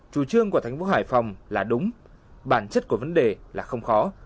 chủ trương của thành phố hải phòng là đúng bản chất của vấn đề là không khó